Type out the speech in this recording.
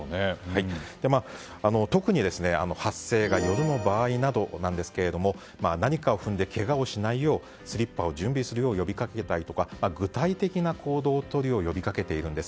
特に、発生が夜の場合などですが何かを踏んでけがをしないようスリッパを準備するよう呼びかけたり具体的な行動をとるよう呼びかけています。